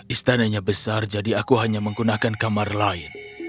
istananya besar jadi aku hanya menggunakan kamar lain